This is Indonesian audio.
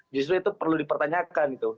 justru itu perlu dipertanyakan gitu